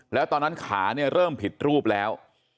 แล้วตอนนั้นขาเนี่ยเริ่มผิดรูปแล้ว